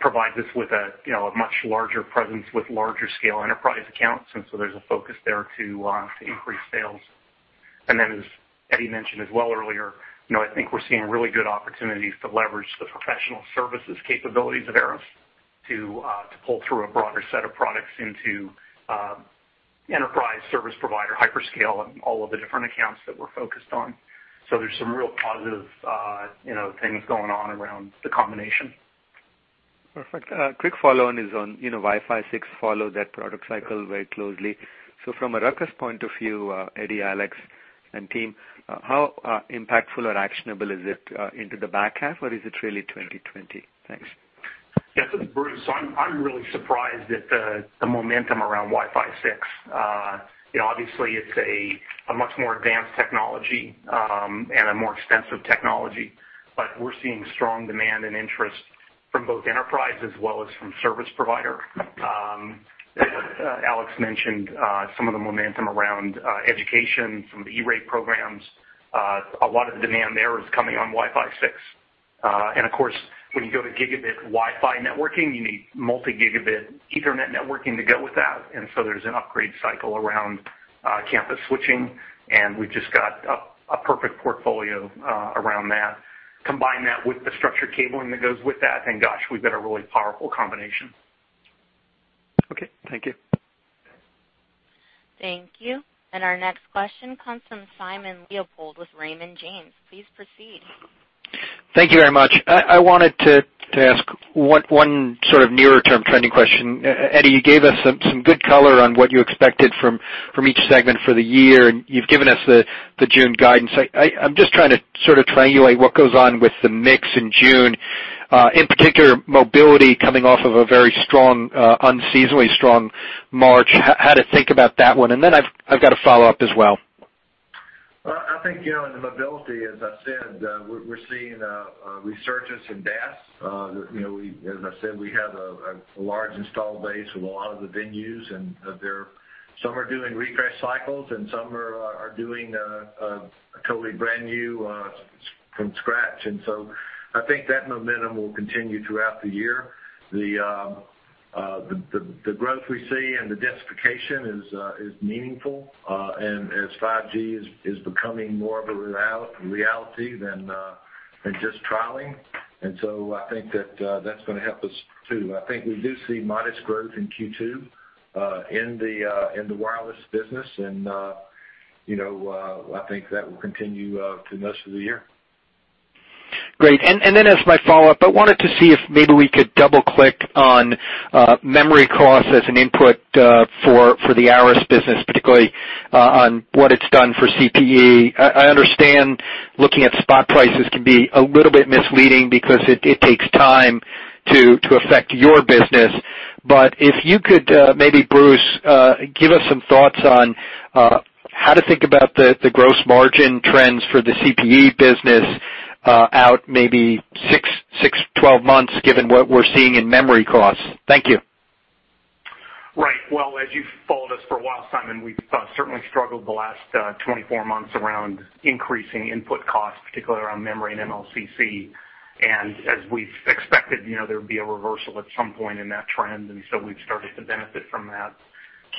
provides us with a much larger presence with larger scale enterprise accounts, there's a focus there to increase sales. As Eddie mentioned as well earlier, I think we're seeing really good opportunities to leverage the professional services capabilities of ARRIS to pull through a broader set of products into enterprise service provider, hyperscale, and all of the different accounts that we're focused on. There's some real positive things going on around the combination. Perfect. A quick follow-on is on Wi-Fi 6 follow that product cycle very closely. From a RUCKUS point of view, Eddie, Alex, and team, how impactful or actionable is it into the back half or is it really 2020? Thanks. Yeah, this is Bruce. I'm really surprised at the momentum around Wi-Fi 6. Obviously, it's a much more advanced technology and a more extensive technology, we're seeing strong demand and interest from both enterprise as well as from service provider. Alex mentioned some of the momentum around education from the E-Rate programs. A lot of the demand there is coming on Wi-Fi 6. Of course, when you go to gigabit Wi-Fi networking, you need multi-gigabit ethernet networking to go with that, there's an upgrade cycle around campus switching, and we've just got a perfect portfolio around that. Combine that with the structured cabling that goes with that, gosh, we've got a really powerful combination. Okay. Thank you. Thank you. Our next question comes from Simon Leopold with Raymond James. Please proceed. Thank you very much. I wanted to ask one sort of nearer term trending question. Eddie, you gave us some good color on what you expected from each segment for the year, and you've given us the June guidance. I'm just trying to sort of triangulate what goes on with the mix in June, in particular Mobility coming off of a very unseasonably strong March. How to think about that one? Then I've got a follow-up as well. I think, in the Mobility, as I said, we're seeing a resurgence in DAS. As I said, we have a large install base with a lot of the venues and some are doing refresh cycles and some are doing a totally brand new from scratch. I think that momentum will continue throughout the year. The growth we see and the densification is meaningful, and as 5G is becoming more of a reality than just trialing. I think that's going to help us too. I think we do see modest growth in Q2 in the wireless business, and I think that will continue to most of the year. Great. As my follow-up, I wanted to see if maybe we could double-click on memory costs as an input for the ARRIS business, particularly on what it's done for CPE. I understand looking at spot prices can be a little bit misleading because it takes time to affect your business. But if you could maybe, Bruce, give us some thoughts on how to think about the gross margin trends for the CPE business out maybe six, 12 months, given what we're seeing in memory costs. Thank you. As you've followed us for a while, Simon, we've certainly struggled the last 24 months around increasing input costs, particularly around memory and MLCC. As we've expected, there would be a reversal at some point in that trend, we've started to benefit from that.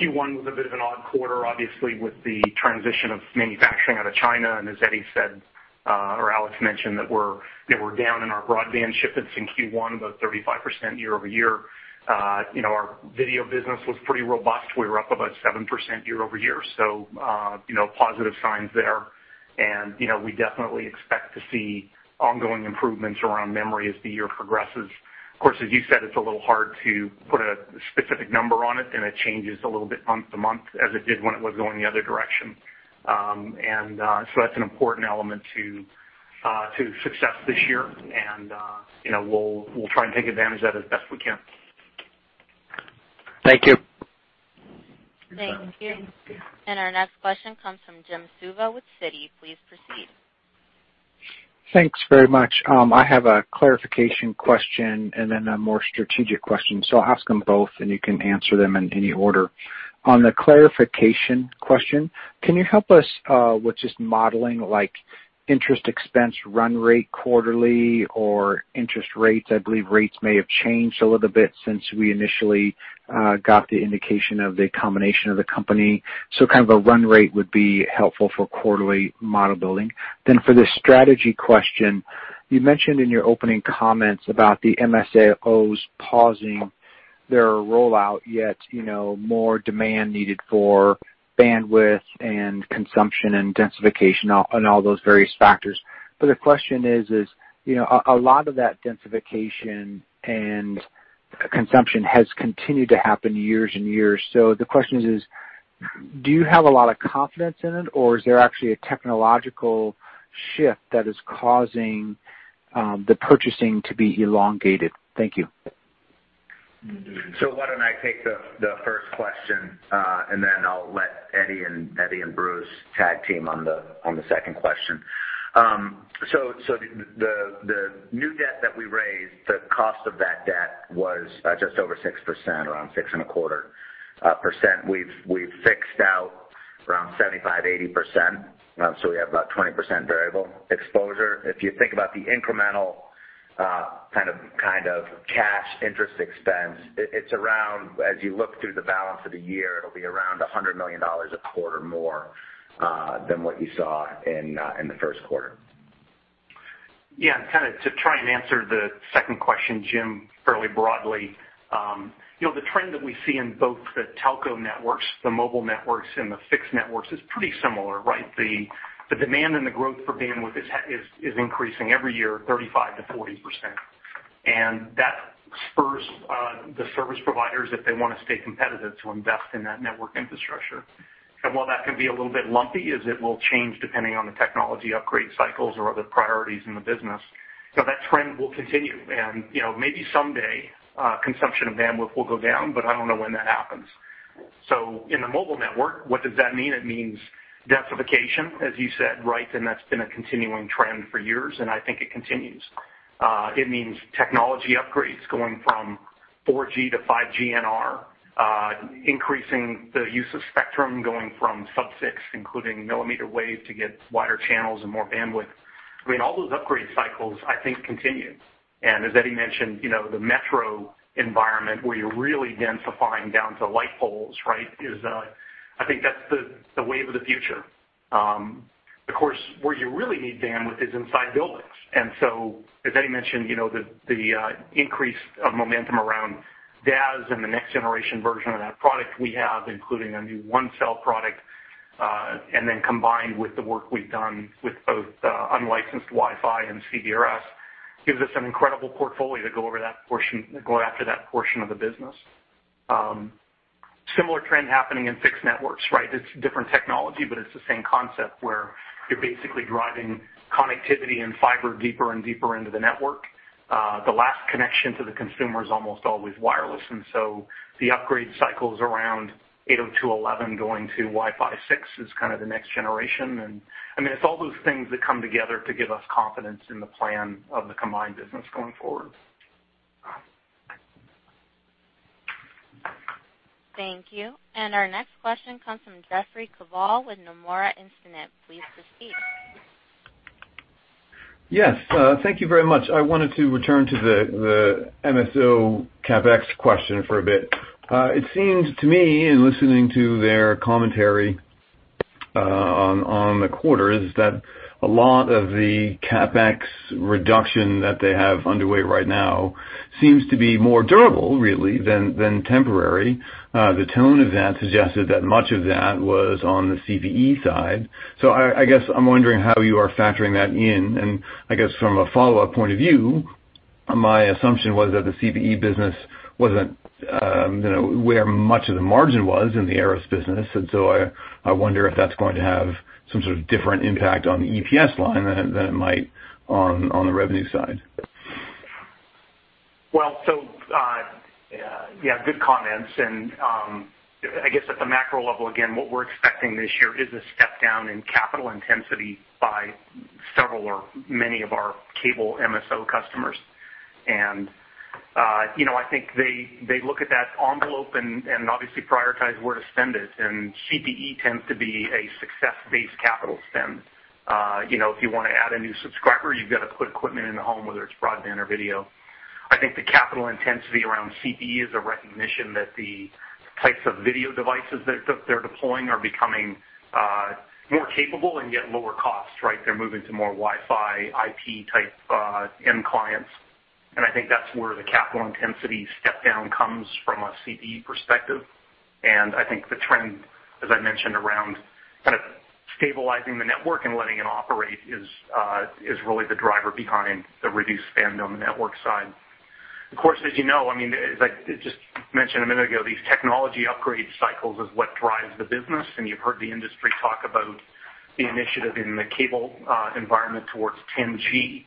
Q1 was a bit of an odd quarter, obviously, with the transition of manufacturing out of China. As Eddie said, or Alex mentioned, that we're down in our broadband shipments in Q1, about 35% year-over-year. Our video business was pretty robust. We were up about 7% year-over-year, positive signs there. We definitely expect to see ongoing improvements around memory as the year progresses. As you said, it's a little hard to put a specific number on it changes a little bit month-to-month, as it did when it was going the other direction. That's an important element to success this year. We'll try and take advantage of it as best we can. Thank you. Thank you. Our next question comes from Jim Suva with Citi. Please proceed. Thanks very much. I have a clarification question and then a more strategic question. I'll ask them both, and you can answer them in any order. On the clarification question, can you help us with just modeling, like interest expense run rate quarterly or interest rates? I believe rates may have changed a little bit since we initially got the indication of the combination of the company. A run rate would be helpful for quarterly model building. For the strategy question, you mentioned in your opening comments about the MSO's pausing their rollout, yet more demand needed for bandwidth and consumption and densification and all those various factors. The question is, a lot of that densification and consumption has continued to happen years and years. The question is, do you have a lot of confidence in it, or is there actually a technological shift that is causing the purchasing to be elongated? Thank you. Why don't I take the first question, and then I'll let Eddie and Bruce tag-team on the second question. The new debt that we raised, the cost of that debt was just over 6%, around 6.25%. We've fixed out around 75%, 80%, so we have about 20% variable exposure. If you think about the incremental kind of cash interest expense, as you look through the balance of the year, it'll be around $100 million a quarter more than what you saw in the first quarter. Yeah. To try and answer the second question, Jim, fairly broadly. The trend that we see in both the telco networks, the mobile networks, and the fixed networks is pretty similar, right? The demand and the growth for bandwidth is increasing every year 35%-40%. That spurs the service providers, if they want to stay competitive, to invest in that network infrastructure. While that can be a little bit lumpy as it will change depending on the technology upgrade cycles or other priorities in the business, that trend will continue. Maybe someday consumption of bandwidth will go down, but I don't know when that happens. In the mobile network, what does that mean? It means densification, as you said, right? That's been a continuing trend for years, and I think it continues. It means technology upgrades going from 4G to 5G NR, increasing the use of spectrum, going from sub-6, including millimeter wave to get wider channels and more bandwidth. I mean, all those upgrade cycles, I think, continue. As Eddie mentioned, the metro environment where you're really densifying down to light poles, right, I think that's the wave of the future. Of course, where you really need bandwidth is inside buildings. As Eddie mentioned, the increase of momentum around DAS and the next generation version of that product we have, including a new OneCell product, then combined with the work we've done with both unlicensed Wi-Fi and CBRS, gives us an incredible portfolio to go after that portion of the business. Similar trend happening in fixed networks, right? It's different technology, but it's the same concept where you're basically driving connectivity and fiber deeper and deeper into the network. The last connection to the consumer is almost always wireless, the upgrade cycles around 802.11 going to Wi-Fi 6 is kind of the next generation. I mean, it's all those things that come together to give us confidence in the plan of the combined business going forward. Thank you. Our next question comes from Jeffrey Kvaal with Nomura Instinet. Please proceed. Yes. Thank you very much. I wanted to return to the MSO CapEx question for a bit. It seems to me, in listening to their commentary on the quarter, is that a lot of the CapEx reduction that they have underway right now seems to be more durable, really, than temporary. The tone of that suggested that much of that was on the CPE side. I guess I'm wondering how you are factoring that in. I guess from a follow-up point of view, my assumption was that the CPE business wasn't where much of the margin was in the ARRIS business. I wonder if that's going to have some sort of different impact on the EPS line than it might on the revenue side. Yeah, good comments. I guess at the macro level, again, what we're expecting this year is a step down in capital intensity by several or many of our cable MSO customers. I think they look at that envelope and obviously prioritize where to spend it, and CPE tends to be a success-based capital spend. If you want to add a new subscriber, you've got to put equipment in the home, whether it's broadband or video. I think the capital intensity around CPE is a recognition that the types of video devices that they're deploying are becoming more capable and yet lower cost, right? They're moving to more Wi-Fi, IP type end clients. I think that's where the capital intensity step down comes from a CPE perspective. I think the trend, as I mentioned, around kind of stabilizing the network and letting it operate is really the driver behind the reduced spend on the network side. Of course, as you know, as I just mentioned a minute ago, these technology upgrade cycles is what drives the business. You've heard the industry talk about the initiative in the cable environment towards 10G.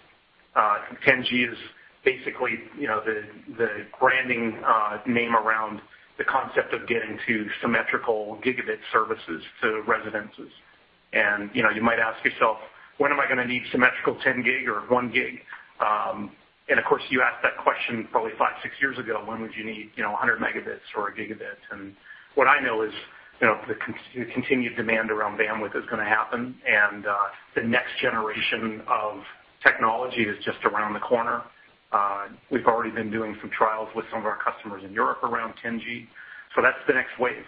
10G is basically the branding name around the concept of getting to symmetrical gigabit services to residences. You might ask yourself, "When am I going to need symmetrical 10G or one gig?" Of course, you asked that question probably five, six years ago, when would you need 100 megabits or a gigabit? What I know is the continued demand around bandwidth is going to happen and the next generation of technology is just around the corner. We've already been doing some trials with some of our customers in Europe around 10G, so that's the next wave.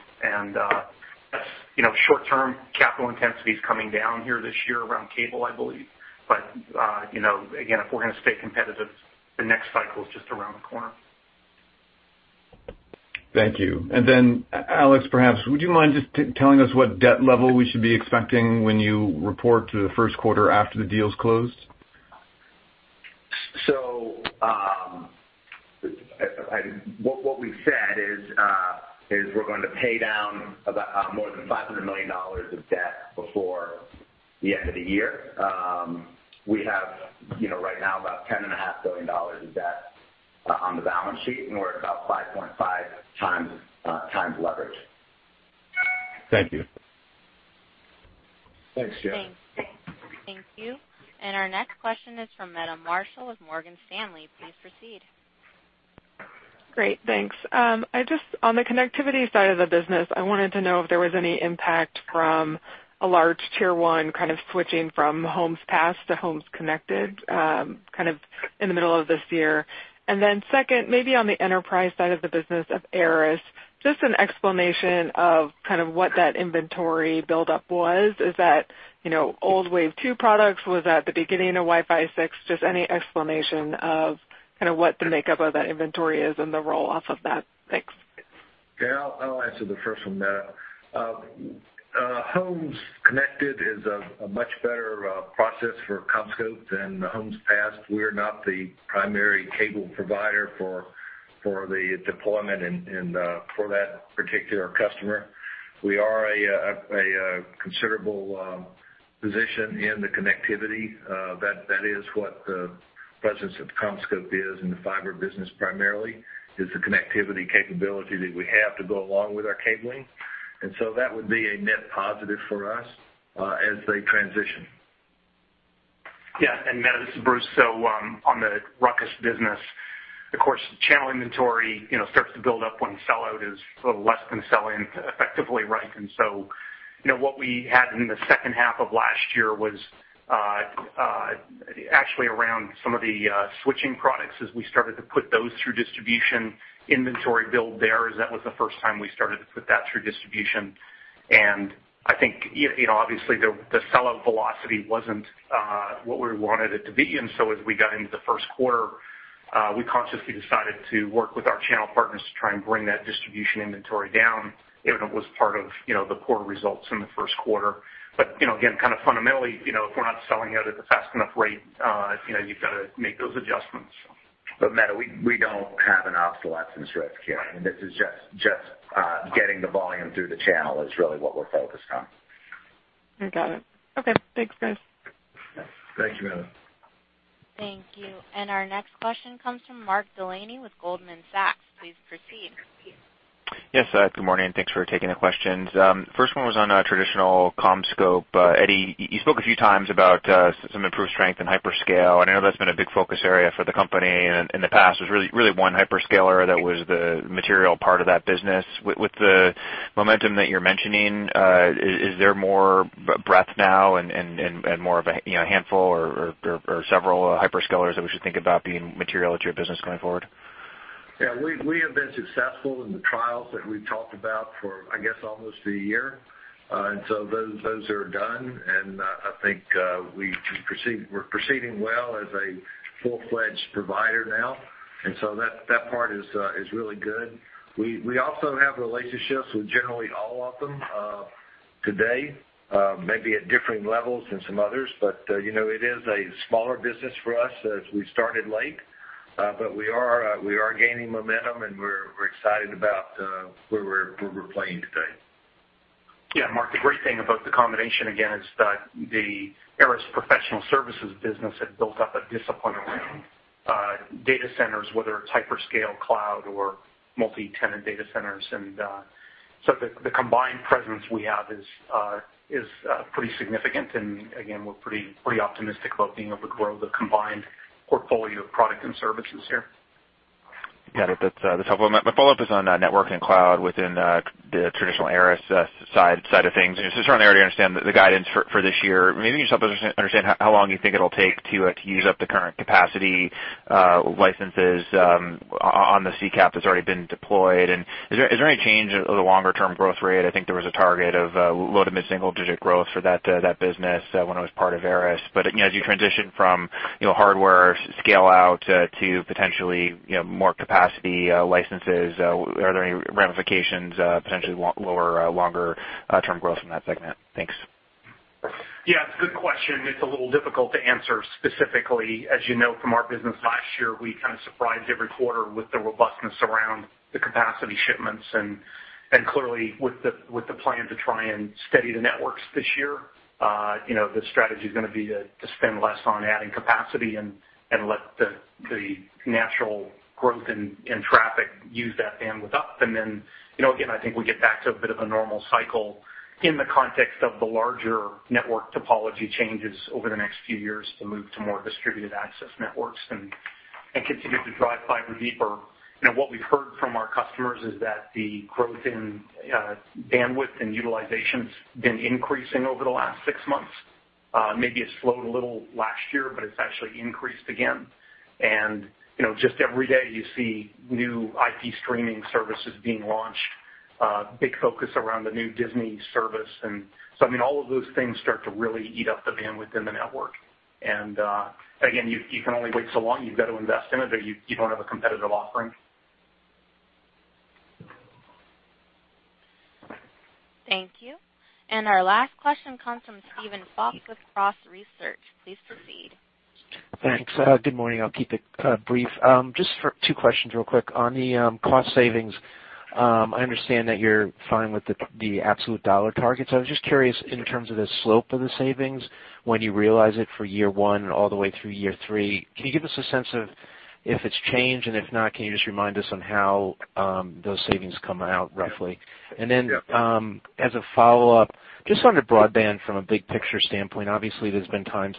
Short term capital intensity is coming down here this year around cable, I believe. Again, if we're going to stay competitive, the next cycle is just around the corner. Thank you. Alex, perhaps, would you mind just telling us what debt level we should be expecting when you report to the first quarter after the deal's closed? What we've said is we're going to pay down more than $500 million of debt before the end of the year. We have right now about $10.5 billion of debt on the balance sheet, and we're at about 5.5 times leverage. Thank you. Thanks, Jeff. Thank you. Our next question is from Meta Marshall with Morgan Stanley. Please proceed. Great, thanks. On the Connectivity Solutions side of the business, I wanted to know if there was any impact from a large Tier 1 kind of switching from Homes Passed to Homes Connected in the middle of this year. Second, maybe on the enterprise side of the business of ARRIS, just an explanation of what that inventory buildup was. Is that old wave 2 products? Was that the beginning of Wi-Fi 6? Just any explanation of what the makeup of that inventory is and the roll-off of that. Thanks. Yeah, I'll answer the first one, Meta. Homes Connected is a much better process for CommScope than Homes Passed. We're not the primary cable provider for the deployment and for that particular customer. We are a considerable position in the connectivity. That is what the presence of CommScope is in the fiber business primarily, is the connectivity capability that we have to go along with our cabling. That would be a net positive for us as they transition. Yeah, Meta, this is Bruce McClelland. On the Ruckus business, of course, channel inventory starts to build up when sell out is less than sell in effectively, right? What we had in the second half of last year was actually around some of the switching products as we started to put those through distribution inventory build there, as that was the 1st time we started to put that through distribution. I think, obviously, the sellout velocity wasn't what we wanted it to be. As we got into the 1st quarter, we consciously decided to work with our channel partners to try and bring that distribution inventory down, even if it was part of the poor results in the 1st quarter. Again, fundamentally, if we're not selling out at a fast enough rate, you've got to make those adjustments. Meta, we don't have an obsolescence risk here. This is just getting the volume through the channel is really what we're focused on. I got it. Okay, thanks, guys. Thank you, Meta. Thank you. Our next question comes from Mark Delaney with Goldman Sachs. Please proceed. Yes, good morning, and thanks for taking the questions. First one was on traditional CommScope. Eddie, you spoke a few times about some improved strength in hyperscale, I know that's been a big focus area for the company. In the past, there was really one hyperscaler that was the material part of that business. With the momentum that you're mentioning, is there more breadth now and more of a handful or several hyperscalers that we should think about being material to your business going forward? Yeah, we have been successful in the trials that we've talked about for, I guess, almost a year. Those are done, I think we're proceeding well as a full-fledged provider now. That part is really good. We also have relationships with generally all of them today maybe at differing levels than some others, but it is a smaller business for us as we started late. We are gaining momentum, and we're excited about where we're playing today. Yeah, Mark, the great thing about the combination, again, is that the ARRIS professional services business had built up a discipline around data centers, whether it's hyperscale cloud or multi-tenant data centers. The combined presence we have is pretty significant. Again, we're pretty optimistic about being able to grow the combined portfolio of product and services here. Got it. That's helpful. My follow-up is on Networking and Cloud within the traditional ARRIS side of things. Just trying to understand the guidance for this year. Maybe just help us understand how long you think it will take to use up the current capacity licenses on the CCAP that's already been deployed. Is there any change of the longer-term growth rate? I think there was a target of low to mid-single digit growth for that business when it was part of ARRIS. As you transition from hardware scale-out to potentially more capacity licenses, are there any ramifications, potentially lower longer-term growth from that segment? Thanks. Yeah, good question. It's a little difficult to answer specifically. As you know from our business last year, we kind of surprised every quarter with the robustness around the capacity shipments and clearly with the plan to try and steady the networks this year. The strategy's going to be to spend less on adding capacity and let the natural growth in traffic use that bandwidth up. Again, I think we get back to a bit of a normal cycle in the context of the larger network topology changes over the next few years to move to more distributed access networks and continue to drive fiber deeper. What we've heard from our customers is that the growth in bandwidth and utilization's been increasing over the last six months. Maybe it slowed a little last year, but it's actually increased again. Just every day you see new IP streaming services being launched. Big focus around the new Disney service. All of those things start to really eat up the bandwidth in the network. Again, you can only wait so long. You've got to invest in it or you don't have a competitive offering. Thank you. Our last question comes from Steven Fox with Cross Research. Please proceed. Thanks. Good morning. I'll keep it brief. Just two questions real quick. On the cost savings, I understand that you're fine with the absolute dollar targets. I was just curious in terms of the slope of the savings when you realize it for year one all the way through year three. Can you give us a sense of if it's changed, and if not, can you just remind us on how those savings come out roughly? Yeah. As a follow-up, just on the broadband from a big picture standpoint, obviously there's been times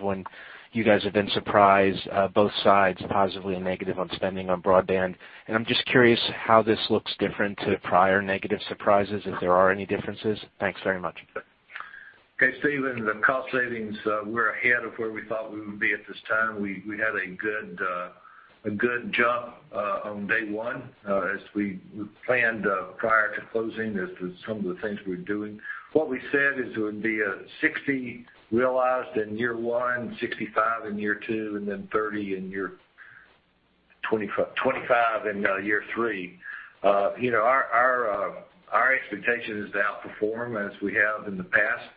when you guys have been surprised, both sides positively and negative on spending on broadband, and I'm just curious how this looks different to prior negative surprises, if there are any differences. Thanks very much. Okay. Steven, the cost savings, we're ahead of where we thought we would be at this time. We had a good jump on day one as we planned prior to closing as to some of the things we were doing. What we said is it would be a [$60 million realized in year one, $65 million in year two, $25 million in year three]. Our expectation is to outperform as we have in the past.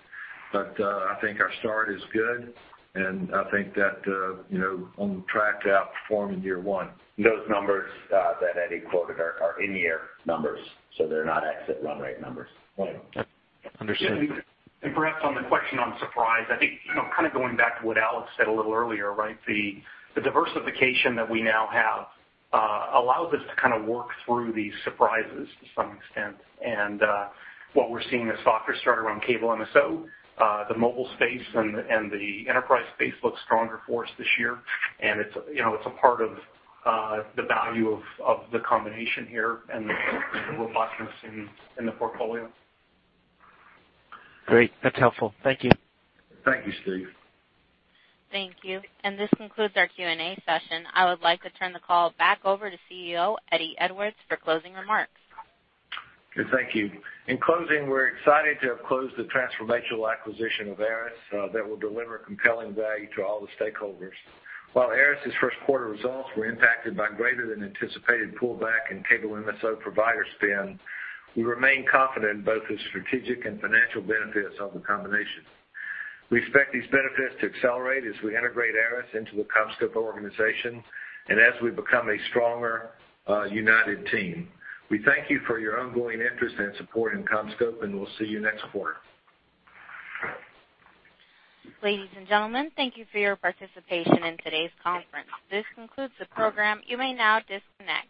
I think our start is good, and I think that on track to outperform in year one. Those numbers that Eddie quoted are in-year numbers, they're not exit run rate numbers. Understood. Perhaps on the question on surprise, I think, kind of going back to what Alex said a little earlier, right? The diversification that we now have allows us to kind of work through these surprises to some extent. What we're seeing is softer start around cable MSO, the mobile space, and the enterprise space looks stronger for us this year. It's a part of the value of the combination here and the robustness in the portfolio. Great. That's helpful. Thank you. Thank you, Steve. Thank you. This concludes our Q&A session. I would like to turn the call back over to CEO Eddie Edwards for closing remarks. Good. Thank you. In closing, we're excited to have closed the transformational acquisition of ARRIS that will deliver compelling value to all the stakeholders. While ARRIS' first quarter results were impacted by greater than anticipated pullback in cable MSO provider spend, we remain confident both the strategic and financial benefits of the combination. We expect these benefits to accelerate as we integrate ARRIS into the CommScope organization and as we become a stronger, united team. We thank you for your ongoing interest and support in CommScope, and we'll see you next quarter. Ladies and gentlemen, thank you for your participation in today's conference. This concludes the program. You may now disconnect.